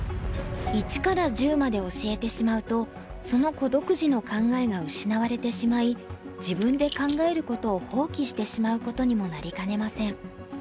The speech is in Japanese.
１から１０まで教えてしまうとその子独自の考えが失われてしまい自分で考えることを放棄してしまうことにもなりかねません。